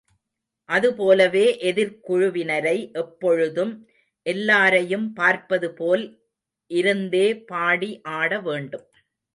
அதுபோலவே, எதிர்க்குழுவினரை எப்பொழுதும் எல்லாரையும் பார்ப்பது போல் இருந்தே பாடி ஆட வேண்டும்.